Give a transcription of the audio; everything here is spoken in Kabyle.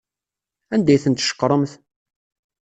Anda ay ten-tceqremt?